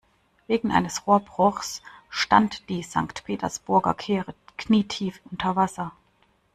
Wegen eines Rohrbruchs stand die Sankt-Petersburger Kehre knietief unter Wasser.